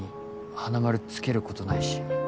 花丸つけることないし